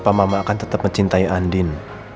saat mama tau kamu mau mencintai andien